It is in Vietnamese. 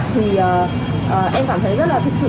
thì em cảm thấy rất là thực sự